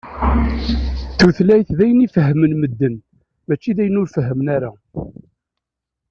Tutlayt d ayen i fehhmen medden, mačči d ayen ur fehhmen ara.